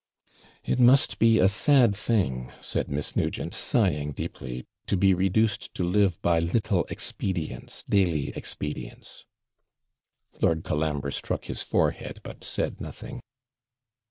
'It must be a sad thing,' said Miss Nugent, sighing deeply, 'to be reduced to live by little expedients daily expedients.' Lord Colambre struck his forehead, but said nothing.